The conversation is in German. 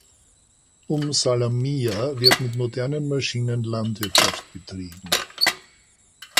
Um Salamiyya wird mit modernen Maschinen Landwirtschaft betrieben.